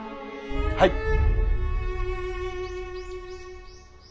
はい！